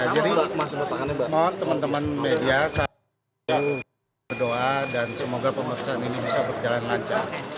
jadi mohon teman teman media saya berdoa dan semoga pemeriksaan ini bisa berjalan lancar